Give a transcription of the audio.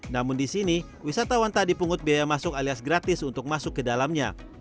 namun di sini wisatawan tak dipungut biaya masuk alias gratis untuk masuk ke dalamnya